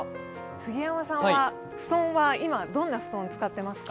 杉山さんは布団は今、どんな布団を使っていますか？